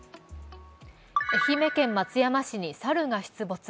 愛媛県松山市に猿が出没。